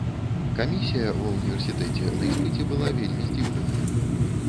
Камісія ва ўніверсітэце на іспыце была вельмі здзіўленая.